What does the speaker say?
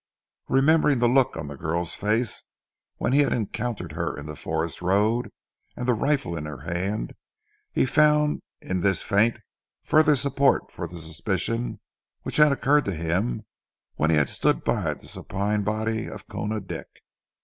Remembering the look on the girl's face when he had encountered her in the forest road, and the rifle in her hand, he found in this faint further support for the suspicion which had occurred to him when he had stood by the supine body of Koona Dick.